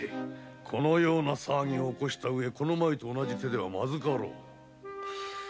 かかる騒ぎを起こした上前と同じ手ではまずかろう。